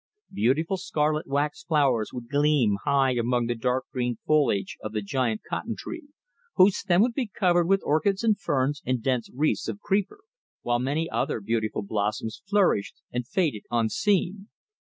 Beautiful scarlet wax flowers would gleam high among the dark green foliage of the giant cotton tree, whose stem would be covered with orchids and ferns and dense wreaths of creeper, while many other beautiful blossoms flourished and faded unseen.